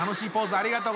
ありがとう！